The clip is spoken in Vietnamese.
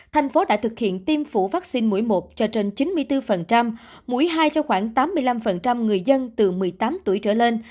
thành phố đã thực hiện tiêm phủ vaccine mũi một cho trên chín mươi bốn mũi hai cho khoảng tám mươi năm người dân từ một mươi tám tuổi trở lên